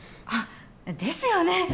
あっですよね！